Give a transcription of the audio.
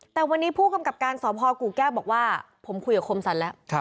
แต่วันนี้ผู้กำกับการสพกู่แก้วบอกว่าผมคุยกับคมสรรแล้ว